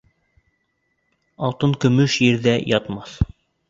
Алтын-көмөш ерҙә ятмаҫ.